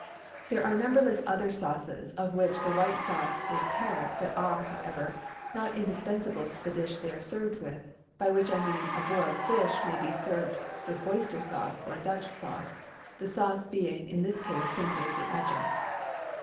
There are numberless other sauces of which the white sauce is parent that are, however, not indispensable to the dish they are served with by which I mean a boiled fish may be served with oyster sauce or Dutch sauce, the sauce being in this case simply the adjunct.